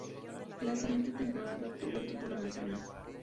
La siguiente temporada obtuvo el título nacional.